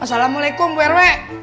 assalamualaikum pak rw